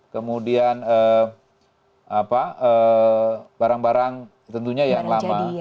kemudian barang barang tentunya yang lama